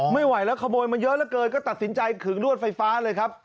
ไม่ไหวแล้วขโมยมาเยอะเหลือเกินก็ตัดสินใจขึงรวดไฟฟ้าเลยครับ